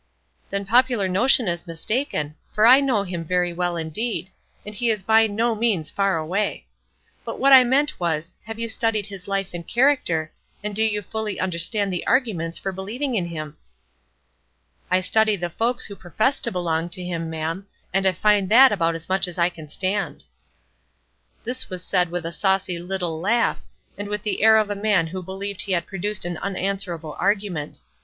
"Then popular notion is mistaken, for I know him very well indeed; and he is by no means far away. But what I meant was, Have you studied his life and character, and do you fully understand the arguments for believing in him?" "I study the folks who profess to belong to him, ma'am, and I find that about as much as I can stand." This was said with a saucy little laugh, and with the air of a man who believed he had produced an unanswerable argument.